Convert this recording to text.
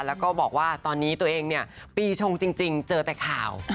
แล้วก็บอกว่าตอนนี้ตัวเองเนี่ยปีชงจริงเจอแต่ข่าว